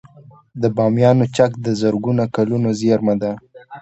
د بامیانو چک د زرګونه کلونو زیرمه ده